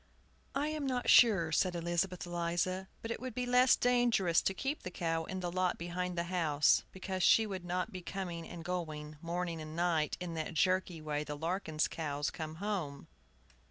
"I am not sure," said Elizabeth Eliza, "but it would be less dangerous to keep the cow in the lot behind the house, because she would not be coming and going, morning and night, in that jerky way the Larkins' cows come home.